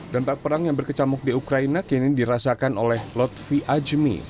dampak perang yang berkecamuk di ukraina kini dirasakan oleh lutfi ajmi